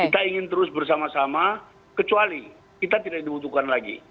kita ingin terus bersama sama kecuali kita tidak dibutuhkan lagi